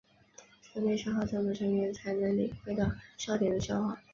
圈内笑话中的成员才能领会到笑点的笑话。